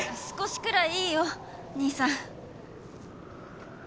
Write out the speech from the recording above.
少しくらいいいよ兄さん。